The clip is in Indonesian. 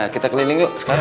kita keliling yuk sekarang